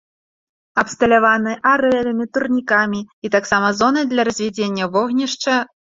Абсталяваны арэлямі, турнікамі і таксама зонай для развядзення вогнішча.